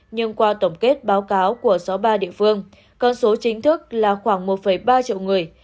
nhưng qua tổng kết báo cáo của sáu mươi ba địa phương con số chính thức là khoảng một ba triệu người